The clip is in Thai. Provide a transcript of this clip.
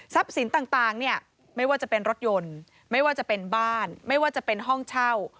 สินต่างเนี่ยไม่ว่าจะเป็นรถยนต์ไม่ว่าจะเป็นบ้านไม่ว่าจะเป็นห้องเช่า